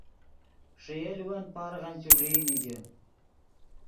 ݰے یولون پارغن چوݱیئی نیگے